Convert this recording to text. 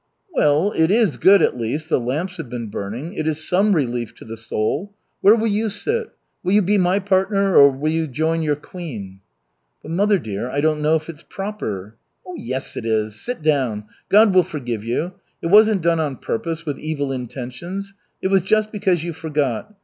"Well, it is good at least the lamps have been burning. It is some relief to the soul. Where will you sit? Will you be my partner, or will you join your queen?" "But, mother dear, I don't know if it's proper." "Yes, it is. Sit down. God will forgive you. It wasn't done on purpose, with evil intentions. It was just because you forgot.